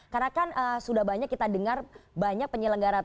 karena kan sudah banyak kita dengar banyak penyelenggara travel umum